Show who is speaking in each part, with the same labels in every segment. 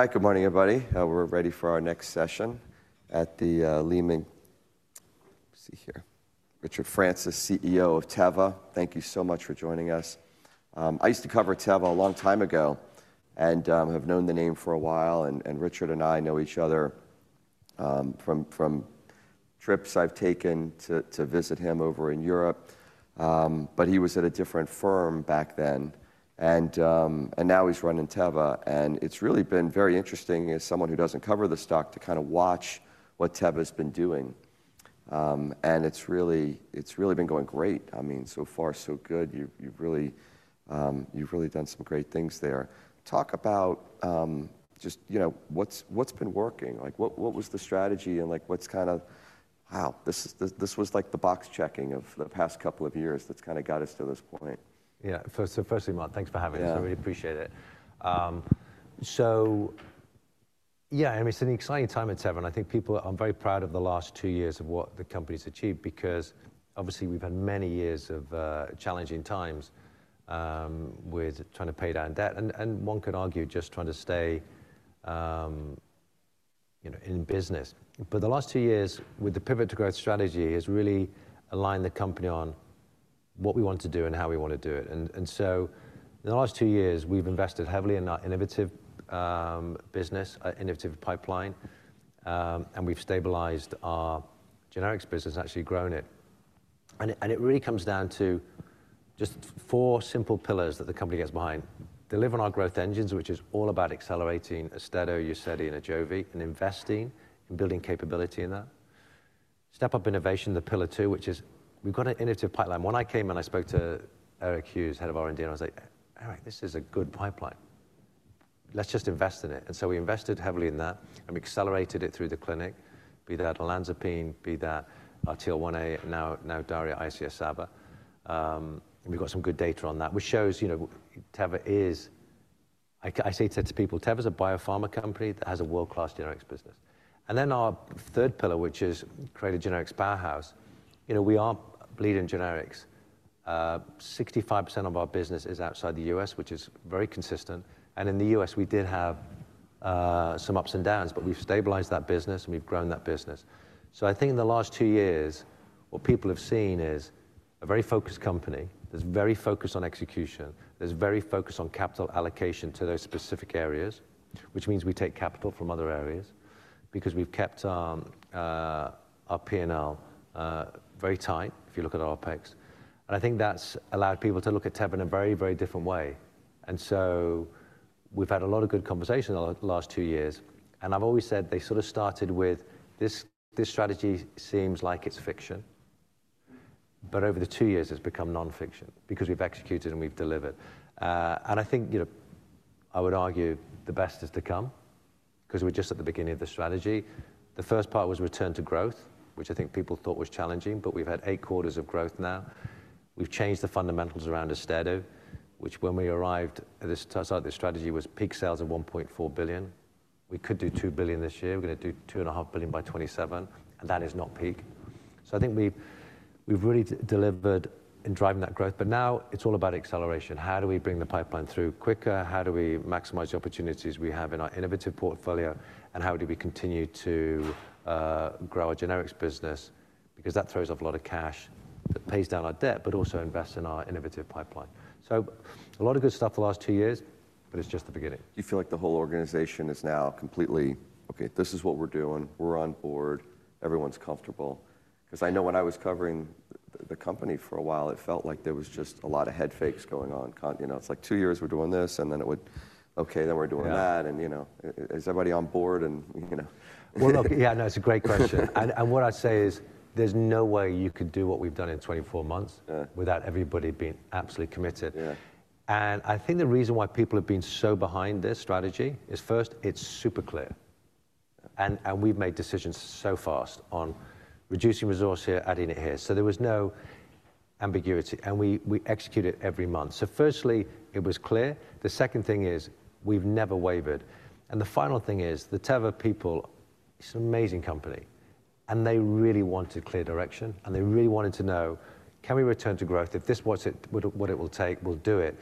Speaker 1: Hi, good morning, everybody. We're ready for our next session at the Lehman. Let's see here. Richard Francis, CEO of Teva, thank you so much for joining us. I used to cover Teva a long time ago and have known the name for a while, and Richard and I know each other from trips I've taken to visit him over in Europe. He was at a different firm back then, and now he's running Teva. It's really been very interesting as someone who doesn't cover the stock to kind of watch what Teva has been doing. It's really been going great. I mean, so far, so good. You've really done some great things there. Talk about just what's been working. What was the strategy and what's kind of, wow, this was like the box checking of the past couple of years that's kind of got us to this point.
Speaker 2: Yeah. Firstly, Mark, thanks for having us. I really appreciate it. Yeah, I mean, it's an exciting time at Teva. I think people are very proud of the last two years of what the company's achieved because obviously we've had many years of challenging times with trying to pay down debt. One could argue just trying to stay in business. The last two years with the pivot to growth strategy has really aligned the company on what we want to do and how we want to do it. In the last two years, we've invested heavily in our innovative business, our innovative pipeline, and we've stabilized our generics business, actually grown it. It really comes down to just four simple pillars that the company gets behind. Delivering our growth engines, which is all about accelerating Austedo, Uzedy, and Ajovy, and investing and building capability in that. Step up innovation, the pillar two, which is we've got an innovative pipeline. When I came and I spoke to Eric Hughes, Head of R&D, and I was like, "Eric, this is a good pipeline. Let's just invest in it." I mean, we invested heavily in that and we accelerated it through the clinic, be that Olanzapine, be that Duvakitug, now Dual-Action ICS/SABA. We've got some good data on that, which shows Teva is, I say it to people, Teva's a biopharma company that has a world-class generics business. Our third pillar, which is Creative Generics Powerhouse, we are bleeding generics. 65% of our business is outside the US, which is very consistent. In the U.S., we did have some ups and downs, but we've stabilized that business and we've grown that business. I think in the last two years, what people have seen is a very focused company that's very focused on execution. There's very focused on capital allocation to those specific areas, which means we take capital from other areas because we've kept our P&L very tight if you look at our OpEx. I think that's allowed people to look at Teva in a very, very different way. We've had a lot of good conversations over the last two years. I've always said they sort of started with this strategy seems like it's fiction, but over the two years, it's become non-fiction because we've executed and we've delivered. I think I would argue the best is to come because we're just at the beginning of the strategy. The first part was return to growth, which I think people thought was challenging, but we've had eight quarters of growth now. We've changed the fundamentals around Austedo, which when we arrived at the start of the strategy was peak sales of $1.4 billion. We could do $2 billion this year. We're going to do $2.5 billion by 2027. That is not peak. I think we've really delivered in driving that growth. Now it's all about acceleration. How do we bring the pipeline through quicker? How do we maximize the opportunities we have in our innovative portfolio? How do we continue to grow our generics business? That throws off a lot of cash that pays down our debt, but also invests in our innovative pipeline. A lot of good stuff the last two years, but it's just the beginning.
Speaker 1: Do you feel like the whole organization is now completely, "Okay, this is what we're doing. We're on board. Everyone's comfortable"? Because I know when I was covering the company for a while, it felt like there was just a lot of head fakes going on. It's like two years we're doing this and then it would, "Okay, then we're doing that." Is everybody on board?
Speaker 2: Yeah, no, it's a great question. What I say is there's no way you could do what we've done in 24 months without everybody being absolutely committed. I think the reason why people have been so behind this strategy is first, it's super clear. We've made decisions so fast on reducing resource here, adding it here. There was no ambiguity. We execute it every month. Firstly, it was clear. The second thing is we've never wavered. The final thing is the Teva people, it's an amazing company. They really wanted clear direction. They really wanted to know, "Can we return to growth? If this was what it will take, we'll do it."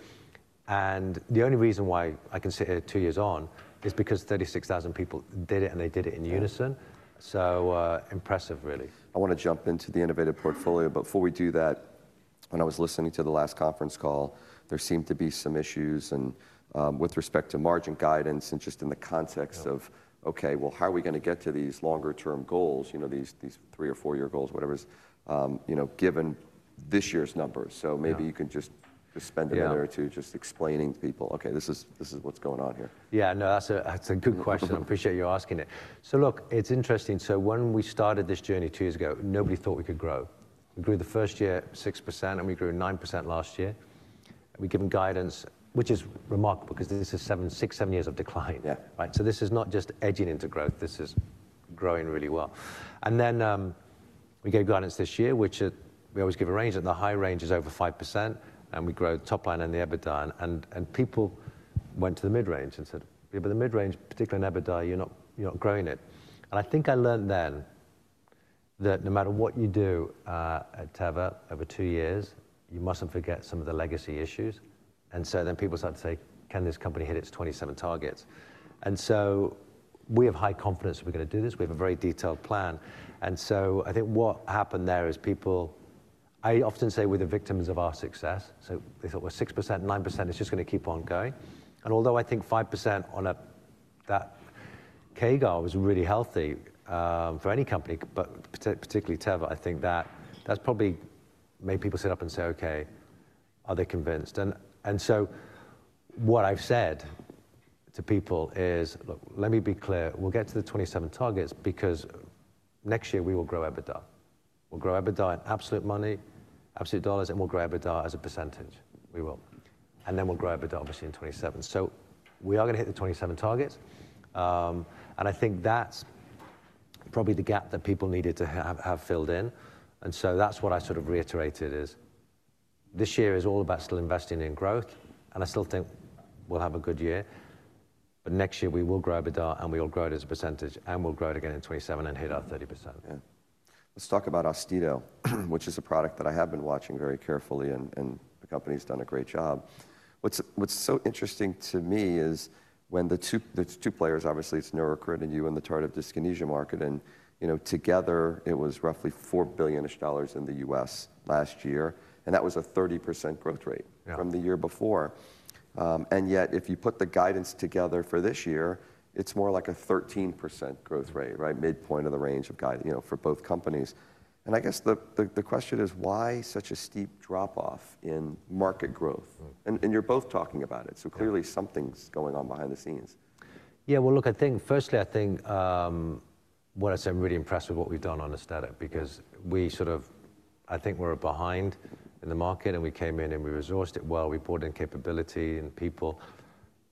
Speaker 2: The only reason why I can sit here two years on is because 36,000 people did it and they did it in unison. So impressive, really.
Speaker 1: I want to jump into the innovative portfolio. Before we do that, when I was listening to the last conference call, there seemed to be some issues with respect to margin guidance and just in the context of, "Okay, how are we going to get to these longer-term goals, these three or four-year goals, whatever it is, given this year's numbers?" Maybe you can just spend a minute or two just explaining to people, "Okay, this is what's going on here.
Speaker 2: Yeah, no, that's a good question. I appreciate you asking it. Look, it's interesting. When we started this journey two years ago, nobody thought we could grow. We grew the first year 6% and we grew 9% last year. We're giving guidance, which is remarkable because this is six, seven years of decline. This is not just edging into growth. This is growing really well. We gave guidance this year, which we always give a range. The high range is over 5% and we grow top line and the EBITDA. People went to the mid-range and said, "Yeah, but the mid-range, particularly in EBITDA, you're not growing it." I think I learned then that no matter what you do at Teva over two years, you mustn't forget some of the legacy issues. People started to say, "Can this company hit its 2027 targets?" We have high confidence we're going to do this. We have a very detailed plan. I think what happened there is people, I often say we're the victims of our success. They thought we're 6%, 9%, it's just going to keep on going. Although I think 5% on that CAGR was really healthy for any company, but particularly Teva, I think that that's probably made people sit up and say, "Okay, are they convinced?" What I've said to people is, "Look, let me be clear. We'll get to the 2027 targets because next year we will grow EBITDA. We'll grow EBITDA in absolute money, absolute dollars, and we'll grow EBITDA as a percentage. We will. We are going to hit the 2027 targets. I think that's probably the gap that people needed to have filled in. That's what I sort of reiterated: this year is all about still investing in growth. I still think we'll have a good year. Next year we will grow EBITDA and we'll grow it as a percentage and we'll grow it again in 2027 and hit our 30%.
Speaker 1: Yeah. Let's talk about Austedo, which is a product that I have been watching very carefully and the company's done a great job. What's so interesting to me is when the two players, obviously it's Neurocrine and you in the tardive dyskinesia market, and together it was roughly $4 billion-ish in the US last year. That was a 30% growth rate from the year before. Yet if you put the guidance together for this year, it's more like a 13% growth rate, right? Midpoint of the range of guidance for both companies. I guess the question is why such a steep drop-off in market growth? You're both talking about it. Clearly something's going on behind the scenes.
Speaker 2: Yeah, look, I think firstly, I think what I said, I'm really impressed with what we've done on Austedo because we sort of, I think we're behind in the market and we came in and we resourced it well. We brought in capability and people.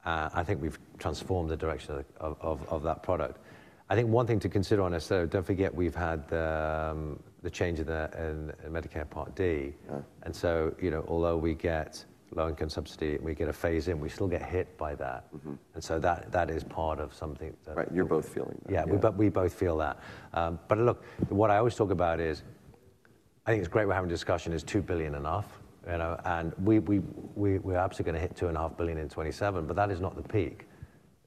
Speaker 2: I think we've transformed the direction of that product. I think one thing to consider on Austedo, don't forget we've had the change in Medicare Part D. Although we get low-income subsidy, we get a phase in, we still get hit by that. That is part of something.
Speaker 1: Right. You're both feeling that.
Speaker 2: Yeah, we both feel that. Look, what I always talk about is I think it's great we're having a discussion: is $2 billion enough? We're absolutely going to hit $2.5 billion in 2027, but that is not the peak.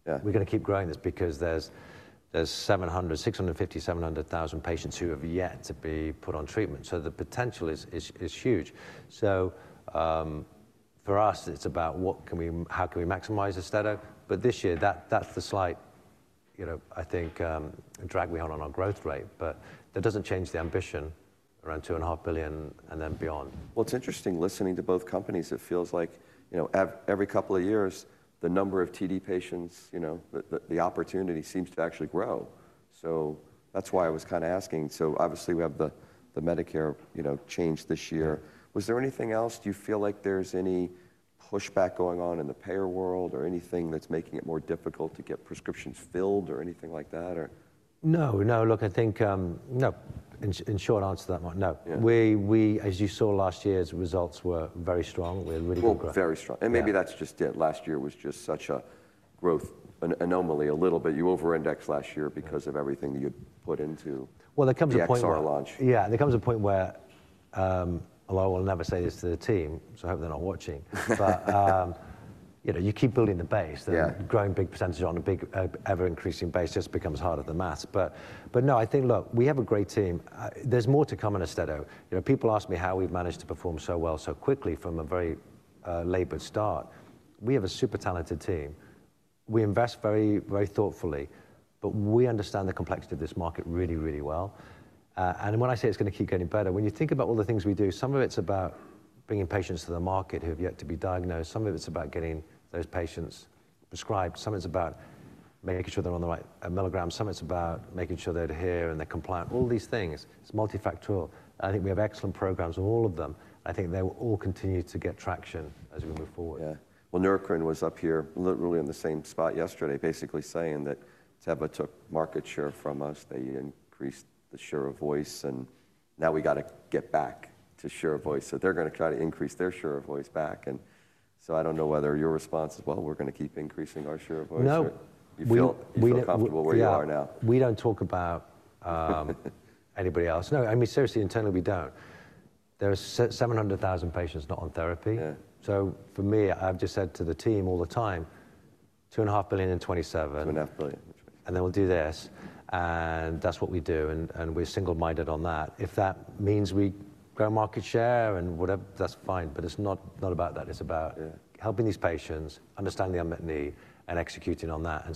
Speaker 2: We're going to keep growing this because there are 650,000-700,000 patients who have yet to be put on treatment. The potential is huge. For us, it's about how can we maximize Austedo. This year, that's the slight, I think, drag we hold on our growth rate. That doesn't change the ambition around $2.5 billion and then beyond.
Speaker 1: It's interesting listening to both companies. It feels like every couple of years, the number of TD patients, the opportunity seems to actually grow. That's why I was kind of asking. Obviously we have the Medicare change this year. Was there anything else? Do you feel like there's any pushback going on in the payer world or anything that's making it more difficult to get prescriptions filled or anything like that?
Speaker 2: No, no. Look, I think, no, in short answer to that one, no. As you saw last year's results were very strong. We had really good growth.
Speaker 1: Oh, very strong. Maybe that's just it. Last year was just such a growth anomaly a little bit. You over-indexed last year because of everything you put into.
Speaker 2: There comes a point where.
Speaker 1: Yes, our launch.
Speaker 2: Yeah, there comes a point where, although I will never say this to the team, so I hope they're not watching, but you keep building the base and growing big percentage on a big ever-increasing base just becomes harder than maths. No, I think, look, we have a great team. There's more to come in Austedo. People ask me how we've managed to perform so well so quickly from a very labored start. We have a super talented team. We invest very thoughtfully, but we understand the complexity of this market really, really well. When I say it's going to keep getting better, when you think about all the things we do, some of it's about bringing patients to the market who have yet to be diagnosed. Some of it's about getting those patients prescribed. Some of it's about making sure they're on the right milligrams. Some of it's about making sure they're adhering and they're compliant. All these things, it's multifactorial. I think we have excellent programs, all of them. I think they will all continue to get traction as we move forward.
Speaker 1: Yeah. Neurocrine was up here literally in the same spot yesterday, basically saying that Teva took market share from us. They increased the share of voice and now we got to get back to share of voice. They are going to try to increase their share of voice back. I do not know whether your response is, "Well, we are going to keep increasing our share of voice.
Speaker 2: No.
Speaker 1: You feel comfortable where you are now?
Speaker 2: We do not talk about anybody else. No, I mean, seriously, internally, we do not. There are 700,000 patients not on therapy. For me, I have just said to the team all the time, "$2.5 billion in 2027.
Speaker 1: $2.5 billion.
Speaker 2: We will do this. That is what we do. We are single-minded on that. If that means we grow market share and whatever, that is fine. It is not about that. It is about helping these patients, understanding the unmet need, and executing on that.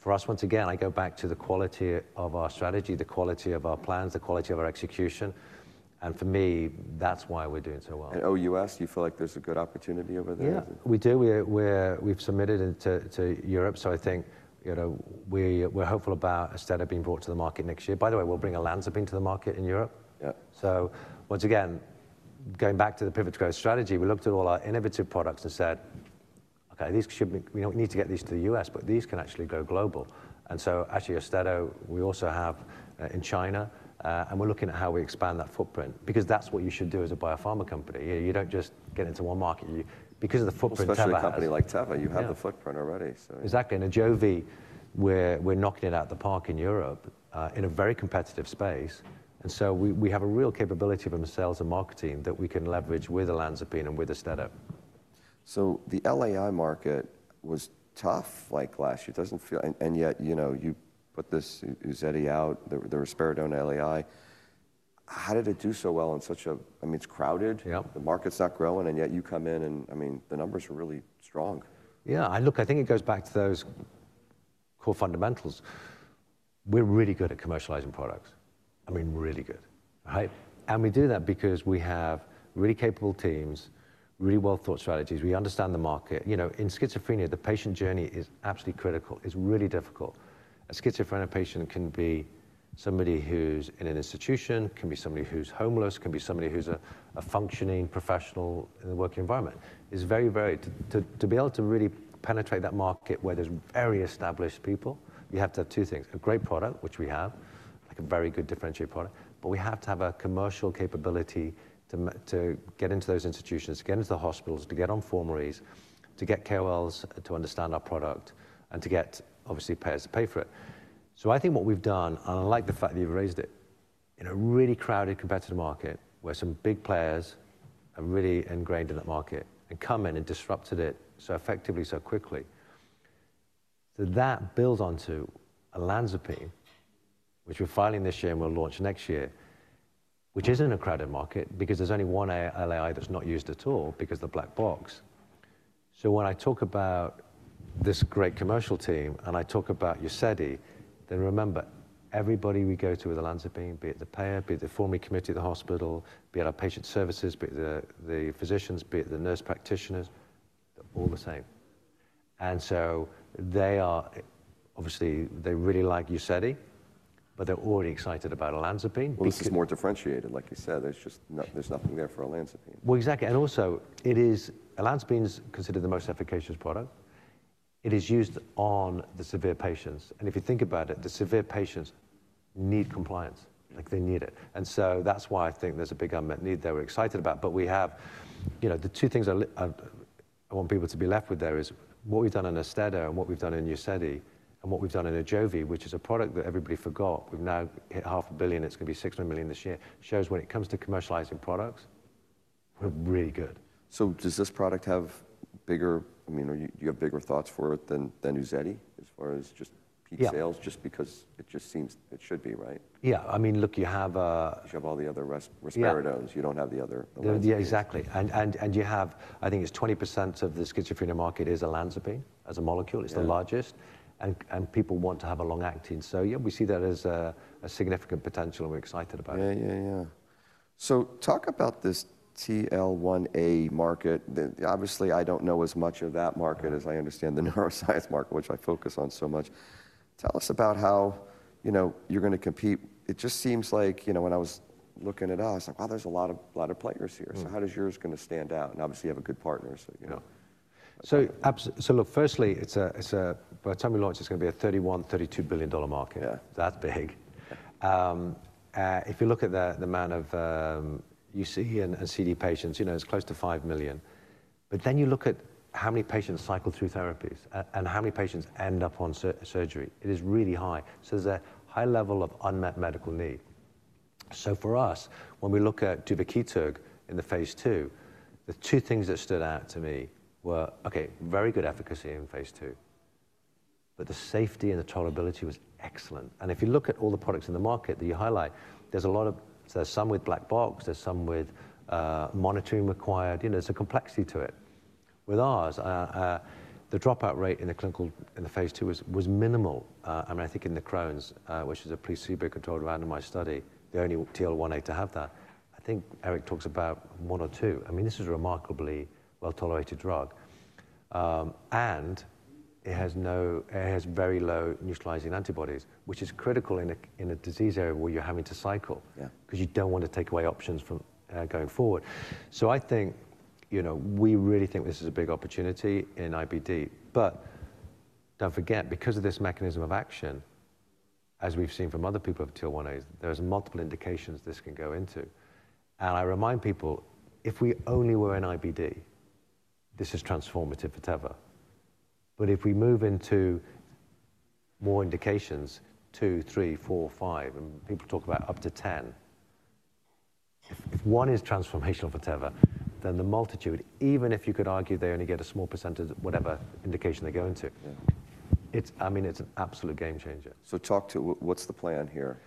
Speaker 2: For us, once again, I go back to the quality of our strategy, the quality of our plans, the quality of our execution. For me, that is why we are doing so well.
Speaker 1: the U.S., you feel like there's a good opportunity over there?
Speaker 2: Yeah, we do. We've submitted it to Europe. I think we're hopeful about Austedo being brought to the market next year. By the way, we'll bring Olanzapine to the market in Europe. Once again, going back to the pivot to growth strategy, we looked at all our innovative products and said, "Okay, we need to get these to the US, but these can actually go global." Actually, Austedo, we also have in China, and we're looking at how we expand that footprint because that's what you should do as a biopharma company. You don't just get into one market because of the footprint.
Speaker 1: Especially a company like Teva, you have the footprint already.
Speaker 2: Exactly. At Ajovy, we're knocking it out of the park in Europe in a very competitive space. We have a real capability from sales and marketing that we can leverage with Olanzapine and with Austedo.
Speaker 1: The LAI market was tough like last year. And yet you put this Uzedy out, the Risperidone LAI. How did it do so well in such a, I mean, it's crowded, the market's not growing, and yet you come in and I mean, the numbers are really strong.
Speaker 2: Yeah. Look, I think it goes back to those core fundamentals. We're really good at commercializing products. I mean, really good. And we do that because we have really capable teams, really well-thought strategies. We understand the market. In schizophrenia, the patient journey is absolutely critical. It's really difficult. A schizophrenic patient can be somebody who's in an institution, can be somebody who's homeless, can be somebody who's a functioning professional in the working environment. It's very, very hard to be able to really penetrate that market where there's very established people, you have to have two things. A great product, which we have, like a very good differentiated product, but we have to have a commercial capability to get into those institutions, to get into the hospitals, to get on formularies, to get KOLs to understand our product, and to get obviously payers to pay for it. I think what we've done, and I like the fact that you've raised it, in a really crowded competitive market where some big players have really ingrained in that market and come in and disrupted it so effectively, so quickly. That builds onto Olanzapine, which we're filing this year and we'll launch next year, which isn't a crowded market because there's only one LAI that's not used at all because of the black box. When I talk about this great commercial team and I talk about Uzedy, then remember, everybody we go to with Olanzapine, be it the payer, be it the formulary committee of the hospital, be it our patient services, be it the physicians, be it the nurse practitioners, they're all the same. They are obviously, they really like Uzedy, but they're already excited about Olanzapine.
Speaker 1: This is more differentiated, like you said. There's nothing there for Olanzapine.
Speaker 2: Olanzapine is considered the most efficacious product. It is used on the severe patients. If you think about it, the severe patients need compliance. They need it. That is why I think there is a big unmet need they were excited about. We have the two things I want people to be left with there: what we have done in Austedo, what we have done in Uzedy, and what we have done in Ajovy, which is a product that everybody forgot. We have now hit $500,000,000. It is going to be $600,000,000 this year. Shows when it comes to commercializing products, we are really good.
Speaker 1: Does this product have bigger, I mean, do you have bigger thoughts for it than Uzedy as far as just peak sales? Just because it just seems it should be, right?
Speaker 2: Yeah. I mean, look, you have.
Speaker 1: You have all the other risperidones. You don't have the other Olanzapine.
Speaker 2: Exactly. You have, I think it's 20% of the schizophrenia market is Olanzapine as a molecule. It's the largest. People want to have a long-acting. Yeah, we see that as a significant potential and we're excited about it.
Speaker 1: Yeah, yeah, yeah. Talk about this TL1A market. Obviously, I do not know as much of that market as I understand the neuroscience market, which I focus on so much. Tell us about how you are going to compete. It just seems like when I was looking at us, I was like, "Wow, there is a lot of players here. How is yours going to stand out?" Obviously you have a good partner.
Speaker 2: Look, firstly, by the time we launch, it's going to be a $31 billion-$32 billion market. That big. If you look at the amount of UC and CD patients, it's close to 5 million. You look at how many patients cycle through therapies and how many patients end up on surgery. It is really high. There's a high level of unmet medical need. For us, when we look at Duvakitug in the Phase 2, the two things that stood out to me were, okay, very good efficacy in Phase 2, but the safety and the tolerability was excellent. If you look at all the products in the market that you highlight, there's a lot of, there's some with black box, there's some with monitoring required. There's a complexity to it. With ours, the dropout rate in the clinical in the phase two was minimal. I mean, I think in the Crohn's, which is a placebo-controlled randomized study, the only TL1A to have that. I think Eric talks about one or two. I mean, this is a remarkably well-tolerated drug. And it has very low neutralizing antibodies, which is critical in a disease area where you're having to cycle because you don't want to take away options from going forward. I think we really think this is a big opportunity in IBD. Don't forget, because of this mechanism of action, as we've seen from other people of TL1As, there are multiple indications this can go into. I remind people, if we only were in IBD, this is transformative for Teva. If we move into more indications, two, three, four, five, and people talk about up to ten, if one is transformational for Teva, then the multitude, even if you could argue they only get a small percentage, whatever indication they go into, I mean, it's an absolute game changer.
Speaker 1: Talk to what's the plan here?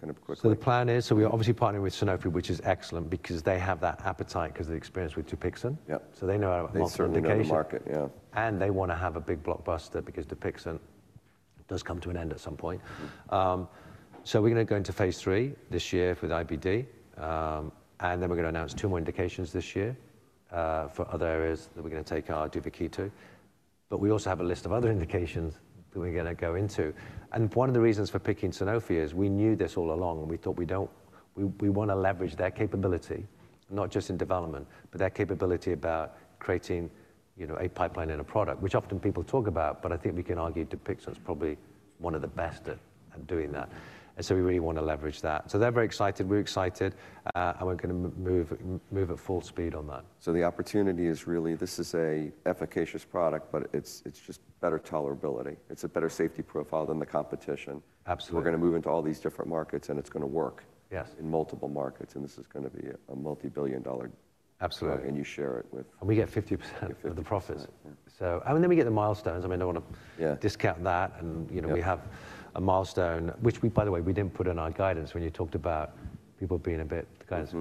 Speaker 1: Kind of quickly.
Speaker 2: The plan is, we're obviously partnering with Sanofi, which is excellent because they have that appetite because of the experience with Dupixent. They know our multiple indications.
Speaker 1: Certainly in the market, yeah.
Speaker 2: They want to have a big blockbuster because Dupixent does come to an end at some point. We are going to go into phase three this year with IBD. We are going to announce two more indications this year for other areas that we are going to take our Duvakitug. We also have a list of other indications that we are going to go into. One of the reasons for picking Sanofi is we knew this all along and we thought we want to leverage their capability, not just in development, but their capability about creating a pipeline in a product, which often people talk about, but I think we can argue Dupixent is probably one of the best at doing that. We really want to leverage that. They are very excited. We are excited. We are going to move at full speed on that.
Speaker 1: The opportunity is really, this is an efficacious product, but it's just better tolerability. It's a better safety profile than the competition.
Speaker 2: Absolutely.
Speaker 1: We're going to move into all these different markets and it's going to work in multiple markets. This is going to be a multi-billion dollar product.
Speaker 2: Absolutely.
Speaker 1: You share it with.
Speaker 2: We get 50% of the profits. Then we get the milestones. I mean, I don't want to discount that. We have a milestone, which, by the way, we didn't put in our guidance when you talked about people being a bit guidance.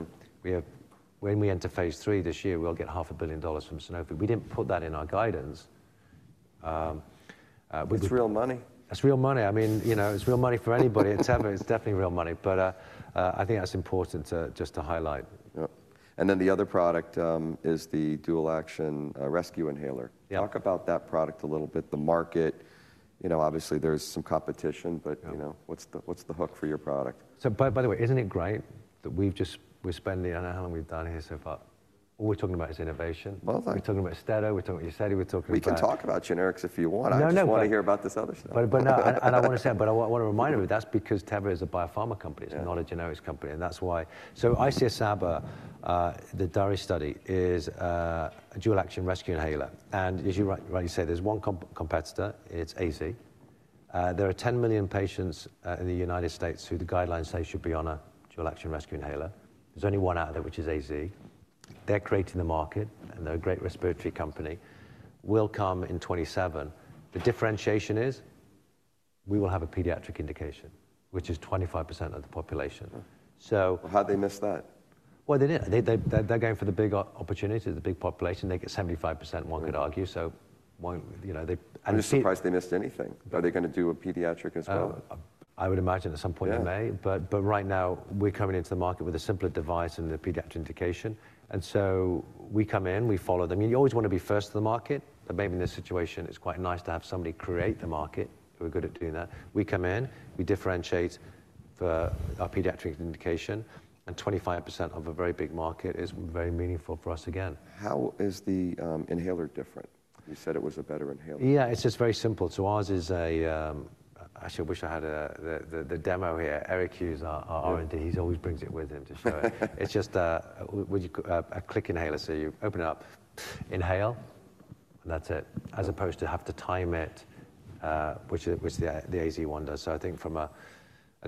Speaker 2: When we enter phase three this year, we'll get $500,000,000 from Sanofi. We didn't put that in our guidance.
Speaker 1: It's real money.
Speaker 2: It's real money. I mean, it's real money for anybody. It's definitely real money. I think that's important just to highlight.
Speaker 1: The other product is the dual-action rescue inhaler. Talk about that product a little bit. The market, obviously there's some competition, but what's the hook for your product?
Speaker 2: By the way, isn't it great that we've just, we're spending, I don't know how long we've done here so far. All we're talking about is innovation. We're talking about Austedo, we're talking about Uzedy, we're talking about.
Speaker 1: We can talk about generics if you want. I just want to hear about this other stuff.
Speaker 2: No, I want to say, I want to remind everyone, that's because Teva is a biopharma company. It's not a generics company. That's why. ICS/SABA, the DARI study, is a dual-action rescue inhaler. As you rightly say, there's one competitor. It's AZ. There are 10 million patients in the United States who the guidelines say should be on a dual-action rescue inhaler. There's only one out there, which is AZ. They're creating the market and they're a great respiratory company. We'll come in 2027. The differentiation is we will have a pediatric indication, which is 25% of the population.
Speaker 1: How'd they miss that?
Speaker 2: did not. They are going for the big opportunity, the big population. They get 75%, one could argue. They do.
Speaker 1: I'm surprised they missed anything. Are they going to do a pediatric as well?
Speaker 2: I would imagine at some point they may. Right now, we're coming into the market with a simpler device and a pediatric indication. We come in, we follow them. You always want to be first in the market. Maybe in this situation, it's quite nice to have somebody create the market. We're good at doing that. We come in, we differentiate for our pediatric indication. 25% of a very big market is very meaningful for us again.
Speaker 1: How is the inhaler different? You said it was a better inhaler.
Speaker 2: Yeah, it's just very simple. Ours is a, actually I wish I had the demo here. Eric Hughes, our R&D, he always brings it with him to show it. It's just a click inhaler. You open it up, inhale, and that's it. As opposed to having to time it, which the AZ-1 does. I think from a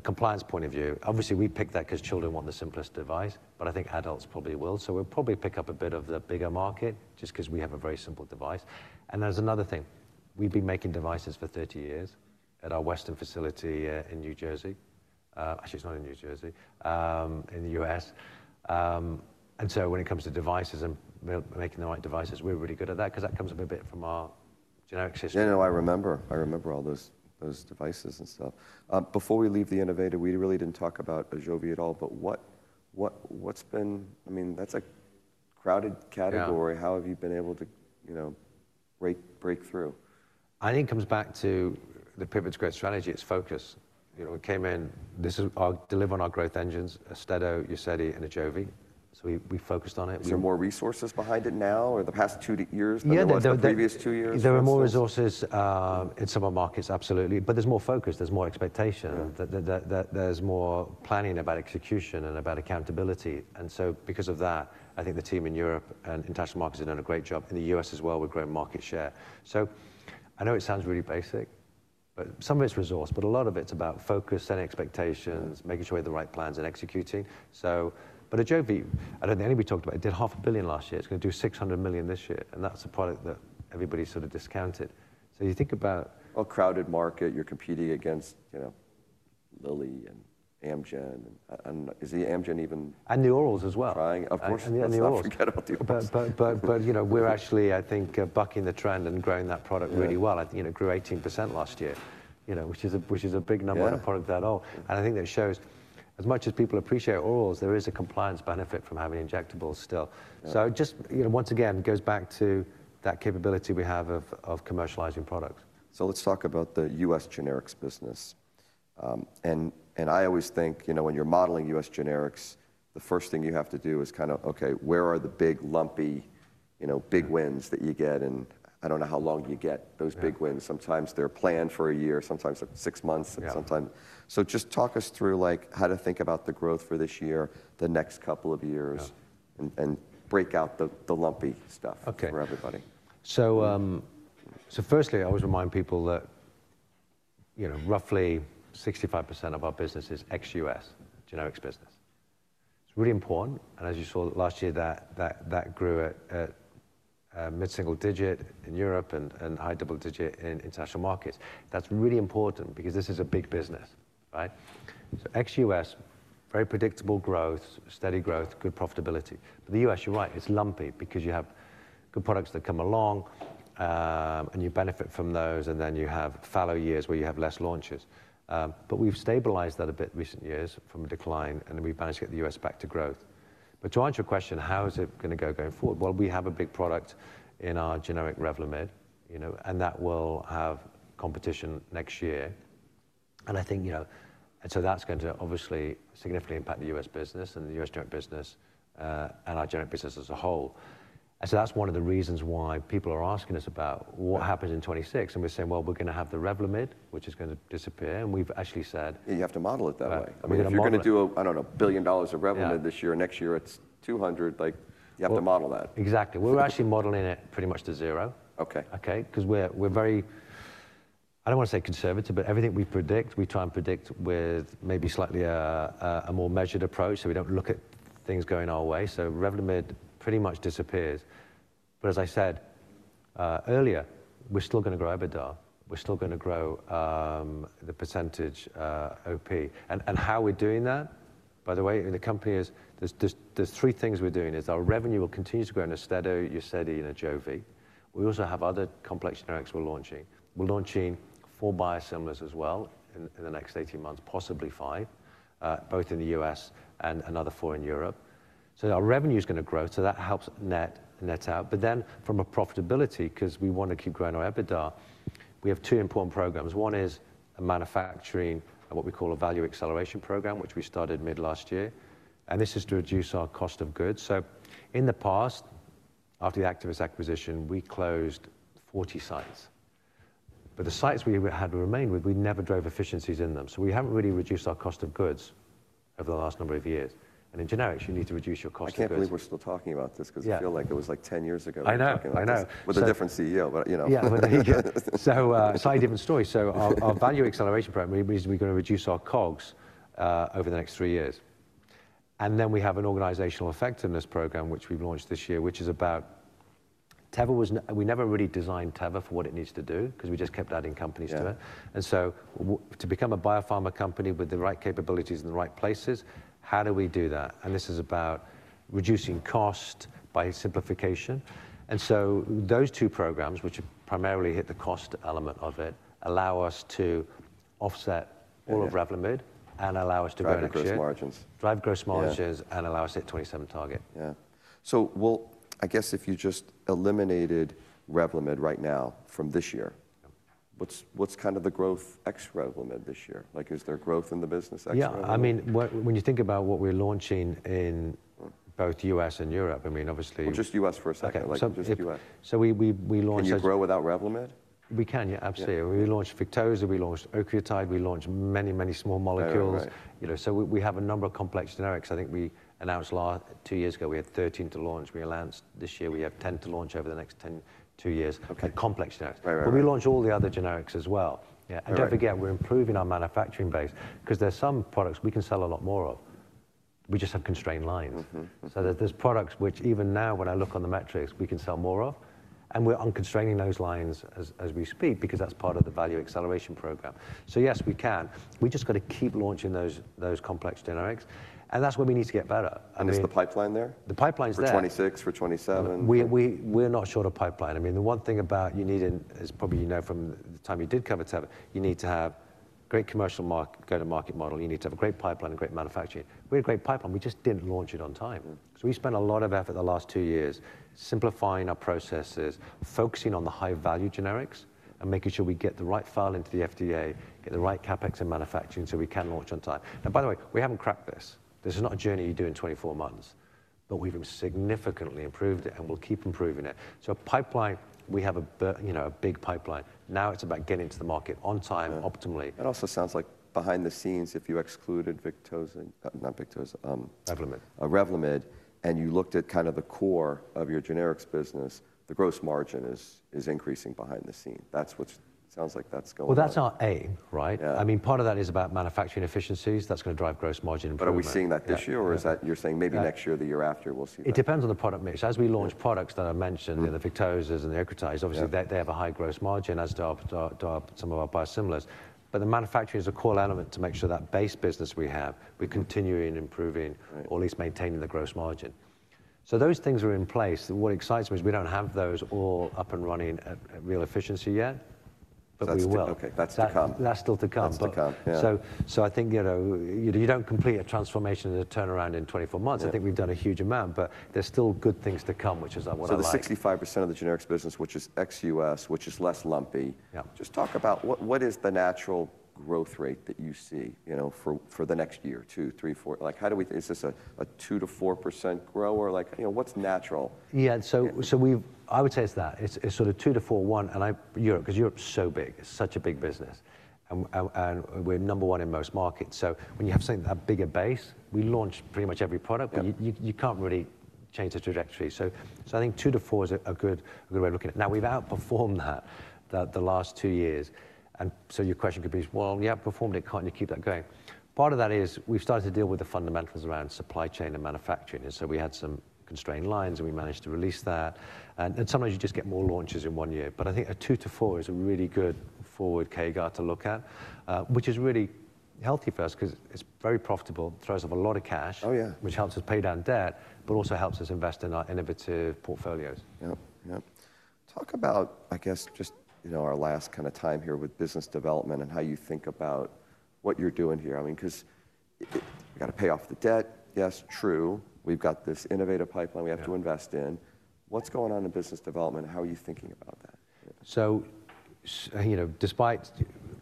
Speaker 2: compliance point of view, obviously we pick that because children want the simplest device. I think adults probably will. We'll probably pick up a bit of the bigger market just because we have a very simple device. There's another thing. We've been making devices for 30 years at our Weston facility in New Jersey. Actually, it's not in New Jersey, it's in the U.S. When it comes to devices and making the right devices, we're really good at that because that comes up a bit from our generic system.
Speaker 1: Yeah, no, I remember. I remember all those devices and stuff. Before we leave the innovator, we really didn't talk about Ajovy at all. I mean, that's a crowded category. How have you been able to break through?
Speaker 2: I think it comes back to the Pivot to Growth Strategy. It's focus. We came in, this is our deliver on our growth engines, Austedo, Uzedy, and Ajovy. We focused on it.
Speaker 1: Is there more resources behind it now or the past two years than the previous two years?
Speaker 2: There are more resources in some of the markets, absolutely. There is more focus. There is more expectation. There is more planning about execution and about accountability. Because of that, I think the team in Europe and international markets have done a great job. In the U.S. as well, we are growing market share. I know it sounds really basic, but some of it is resource, but a lot of it is about focus and expectations, making sure we have the right plans and executing. Ajovy, I do not think anybody talked about it. It did $500,000,000 last year. It is going to do $600,000,000 this year. That is a product that everybody sort of discounted. You think about.
Speaker 1: A crowded market, you're competing against Lilly and Amgen. Is the Amgen even?
Speaker 2: The orals as well.
Speaker 1: Trying, of course, to get onto your business.
Speaker 2: We're actually, I think, bucking the trend and growing that product really well. Grew 18% last year, which is a big number on a product that old. I think that shows as much as people appreciate orals, there is a compliance benefit from having injectables still. Just once again, it goes back to that capability we have of commercializing products.
Speaker 1: Let's talk about the U.S. generics business. I always think when you're modeling U.S. generics, the first thing you have to do is kind of, okay, where are the big lumpy big wins that you get? I don't know how long you get those big wins. Sometimes they're planned for a year, sometimes six months, and sometimes. Just talk us through how to think about the growth for this year, the next couple of years, and break out the lumpy stuff for everybody.
Speaker 2: I always remind people that roughly 65% of our business is ex-U.S. generics business. It's really important. As you saw last year, that grew at mid-single digit in Europe and high double digit in international markets. That's really important because this is a big business. Ex-U.S., very predictable growth, steady growth, good profitability. The U.S., you're right, it's lumpy because you have good products that come along and you benefit from those. Then you have fallow years where you have less launches. We've stabilized that a bit in recent years from a decline. We've managed to get the U.S. back to growth. To answer your question, how is it going to go going forward? We have a big product in our generic Revlimid. That will have competition next year. I think that's going to obviously significantly impact the U.S. business and the U.S. generic business and our generic business as a whole. That's one of the reasons why people are asking us about what happens in 2026. We're saying, well, we're going to have the Revlimid, which is going to disappear. We've actually said.
Speaker 1: You have to model it that way. I mean, if you're going to do, I don't know, a billion dollars of Revlimid this year and next year, it's $200 million, you have to model that.
Speaker 2: Exactly. We're actually modeling it pretty much to zero. Okay? Because we're very, I don't want to say conservative, but everything we predict, we try and predict with maybe slightly a more measured approach. We don't look at things going our way. Revlimid pretty much disappears. As I said earlier, we're still going to grow EBITDA. We're still going to grow the percentage OP. How we're doing that, by the way, in the company, there's three things we're doing. Our revenue will continue to grow in Austedo, Uzedy, and Ajovy. We also have other complex generics we're launching. We're launching four biosimilars as well in the next 18 months, possibly five, both in the U.S. and another four in Europe. Our revenue is going to grow. That helps net out. From a profitability perspective, because we want to keep growing our EBITDA, we have two important programs. One is a manufacturing and what we call a value acceleration program, which we started mid-last year. This is to reduce our cost of goods. In the past, after the Actavis acquisition, we closed 40 sites. The sites we had remained with, we never drove efficiencies in them. We have not really reduced our cost of goods over the last number of years. In generics, you need to reduce your cost of goods.
Speaker 1: I can't believe we're still talking about this because I feel like it was like 10 years ago.
Speaker 2: I know, I know.
Speaker 1: With a different CEO.
Speaker 2: Yeah, so it's a slightly different story. Our value acceleration program means we're going to reduce our COGS over the next three years. We have an organizational effectiveness program, which we've launched this year, which is about Teva was, we never really designed Teva for what it needs to do because we just kept adding companies to it. To become a biopharma company with the right capabilities in the right places, how do we do that? This is about reducing cost by simplification. Those two programs, which primarily hit the cost element of it, allow us to offset all of Revlimid and allow us to grow next year.
Speaker 1: Drive gross margins.
Speaker 2: Drive gross margins and allow us to hit 27 target.
Speaker 1: Yeah. So, I guess if you just eliminated Revlimid right now from this year, what's kind of the growth ex Revlimid this year? Is there growth in the business ex Revlimid?
Speaker 2: Yeah. I mean, when you think about what we're launching in both U.S. and Europe, I mean, obviously.
Speaker 1: Just U.S. for a second. Just U.S.
Speaker 2: We launched.
Speaker 1: Can you grow without Revlimid?
Speaker 2: We can, yeah, absolutely. We launched Victoza. We launched Octreotide. We launched many, many small molecules. We have a number of complex generics. I think we announced two years ago we had 13 to launch. We announced this year we have 10 to launch over the next two years. Complex generics. We launched all the other generics as well. Do not forget, we're improving our manufacturing base because there are some products we can sell a lot more of. We just have constrained lines. There are products which even now when I look on the metrics, we can sell more of. We're unconstraining those lines as we speak because that's part of the value acceleration program. Yes, we can. We just got to keep launching those complex generics. That's where we need to get better.
Speaker 1: Is the pipeline there?
Speaker 2: The pipeline's there.
Speaker 1: For 2026, for 2027?
Speaker 2: We're not sure of the pipeline. I mean, the one thing about you needed, as probably you know from the time you did cover Teva, you need to have a great commercial market, go to market model. You need to have a great pipeline and great manufacturing. We had a great pipeline. We just didn't launch it on time. We spent a lot of effort the last two years simplifying our processes, focusing on the high-value generics and making sure we get the right file into the FDA, get the right CapEx in manufacturing so we can launch on time. By the way, we haven't cracked this. This is not a journey you do in 24 months. We have significantly improved it and we'll keep improving it. Pipeline, we have a big pipeline. Now it's about getting into the market on time, optimally.
Speaker 1: It also sounds like behind the scenes, if you excluded Victoza, not Victoza.
Speaker 2: Revlimid.
Speaker 1: Revlimid, and you looked at kind of the core of your generics business, the gross margin is increasing behind the scene. That's what sounds like that's going on.
Speaker 2: That's our aim, right? I mean, part of that is about manufacturing efficiencies. That's going to drive gross margin improvement.
Speaker 1: Are we seeing that this year, or is that you're saying maybe next year, the year after, we'll see that?
Speaker 2: It depends on the product mix. As we launch products that I mentioned, the Victozas and the Octreotides, obviously they have a high gross margin as do some of our biosimilars. The manufacturing is a core element to make sure that base business we have, we're continuing and improving, or at least maintaining the gross margin. Those things are in place. What excites me is we don't have those all up and running at real efficiency yet. We will.
Speaker 1: That's to come.
Speaker 2: That's still to come.
Speaker 1: That's to come, yeah.
Speaker 2: I think you don't complete a transformation and a turnaround in 24 months. I think we've done a huge amount, but there's still good things to come, which is what I like.
Speaker 1: The 65% of the generics business, which is ex-U.S., which is less lumpy. Just talk about what is the natural growth rate that you see for the next year, two, three, four? Is this a 2%-4% grower? What's natural?
Speaker 2: Yeah. I would say it's that. It's sort of 2%-4%, 1%, because Europe is so big. It's such a big business. We're number one in most markets. When you have something that big a base, we launch pretty much every product, but you can't really change the trajectory. I think 2%-4% is a good way of looking at it. Now, we've outperformed that the last two years. Your question could be, we outperformed it. Can't you keep that going? Part of that is we've started to deal with the fundamentals around supply chain and manufacturing. We had some constrained lines and we managed to release that. Sometimes you just get more launches in one year. I think a 2%-4% is a really good forward CAGR to look at, which is really healthy for us because it's very profitable, throws off a lot of cash, which helps us pay down debt, but also helps us invest in our innovative portfolios.
Speaker 1: Yep, yep. Talk about, I guess, just our last kind of time here with business development and how you think about what you're doing here. I mean, because we got to pay off the debt. Yes, true. We've got this innovative pipeline we have to invest in. What's going on in business development? How are you thinking about that?
Speaker 2: Despite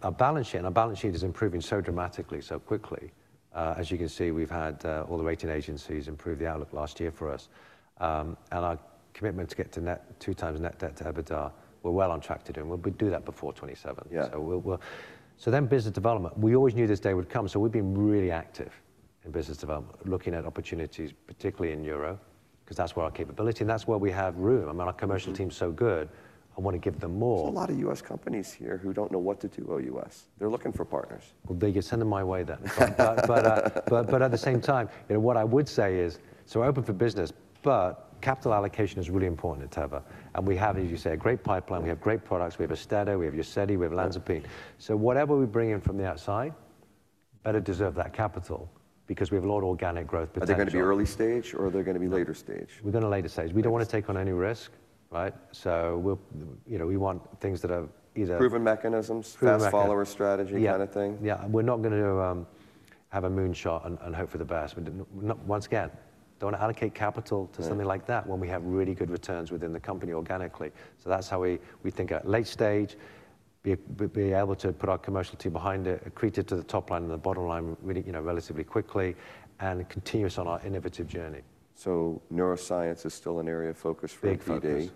Speaker 2: our balance sheet, and our balance sheet is improving so dramatically, so quickly. As you can see, we've had all the rating agencies improve the outlook last year for us. Our commitment to get to net two times net debt to EBITDA, we're well on track to do. We'll do that before 2027. Business development. We always knew this day would come. We've been really active in business development, looking at opportunities, particularly in Europe, because that's where our capability and that's where we have room. I mean, our commercial team's so good. I want to give them more.
Speaker 1: There's a lot of U.S. companies here who don't know what to do while U.S. They're looking for partners.
Speaker 2: They can send them my way then. At the same time, what I would say is, we're open for business, but capital allocation is really important at Teva. We have, as you say, a great pipeline. We have great products. We have Austedo. We have Uzedy. We have Olanzapine. Whatever we bring in from the outside better deserve that capital because we have a lot of organic growth potential.
Speaker 1: Are they going to be early stage or are they going to be later stage?
Speaker 2: We're going to later stage. We don't want to take on any risk, right? So we want things that are either.
Speaker 1: Proven mechanisms, fast follower strategy kind of thing.
Speaker 2: Yeah. We're not going to have a moonshot and hope for the best. Once again, don't allocate capital to something like that when we have really good returns within the company organically. That is how we think about late stage, be able to put our commercial team behind it, accrete to the top line and the bottom line relatively quickly, and continuous on our innovative journey.
Speaker 1: Neuroscience is still an area of focus for ED?
Speaker 2: Big focus.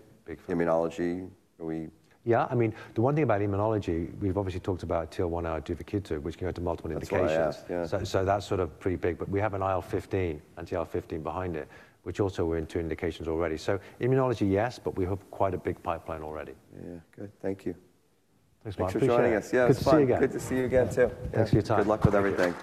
Speaker 1: Immunology? Are we?
Speaker 2: Yeah. I mean, the one thing about immunology, we've obviously talked about TL1A, IL-2, Duvakitug, which can go to multiple indications. That is pretty big. We have an IL-15 and TL1A behind it, which also we are into indications already. Immunology, yes, but we have quite a big pipeline already.
Speaker 1: Yeah. Good. Thank you. Thanks a lot for joining us.
Speaker 2: Good to see you again.
Speaker 1: Good to see you again too.
Speaker 2: Thanks for your time.
Speaker 1: Good luck with everything.